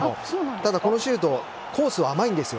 ただ、このシュートコースは甘いんですよ。